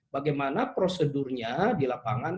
bagaimana prosedurnya di lapangan